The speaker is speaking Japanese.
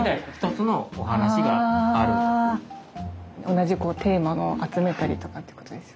同じテーマのを集めたりとかっていうことですよね。